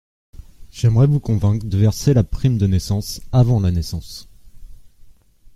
J’aimerais vous convaincre de verser la prime de naissance avant la naissance.